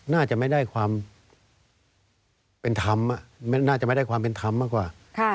น่าจะไม่ได้ความเป็นธรรมน่าจะไม่ได้ความเป็นธรรมมากกว่า